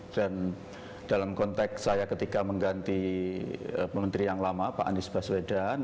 dan dalam konteks saya ketika mengganti menteri yang lama pak anies baswedan